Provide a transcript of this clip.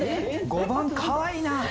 ５番かわいいな。